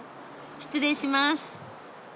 失礼します。